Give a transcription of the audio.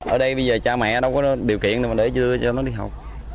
ở đây bây giờ cha mẹ đâu có điều kiện mà để cho nó đi học